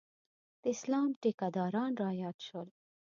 د اسلام ټیکداران رایاد شول.